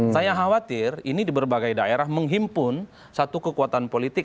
saya khawatir ini di berbagai daerah menghimpun satu kekuatan politik